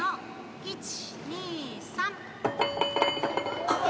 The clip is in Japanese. １、２、３。